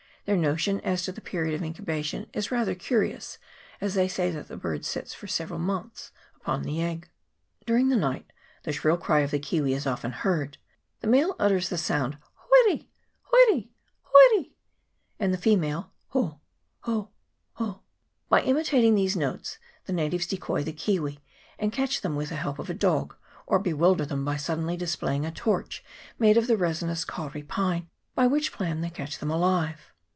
Their notion as to the period of incubation is rather curious, as they say that the bird sits for several months upon the egg. During the night the shrill cry of the kiwi is often heard : the male utters the sound hoire, hoire, hoire ; the female, ho, ho, ho. By imitating these notes the natives decoy the kiwi, and catch them with the help of a dog, or bewilder them by sud denly delaying a torch made of the resinous hauri pine ; by which plan they catch them alive.